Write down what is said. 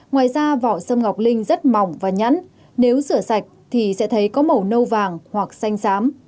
ngoài ra vỏ sâm ngọc linh rất mỏng và nhắn nếu sửa sạch thì sẽ thấy có màu nâu vàng hoặc xanh xám